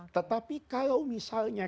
tetapi kalau misalnya